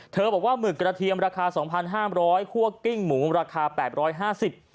บอกว่าหมึกกระเทียมราคา๒๕๐๐คั่วกิ้งหมูราคา๘๕๐บาท